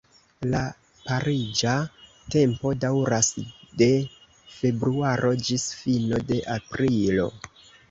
La pariĝa tempo daŭras de februaro ĝis fino de aprilo.